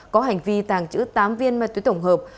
có hành vi tàng trữ tám viên ma túy tổng hợp